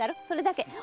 それだけ。